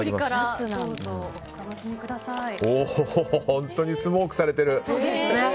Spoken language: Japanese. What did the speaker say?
本当にスモークされてる！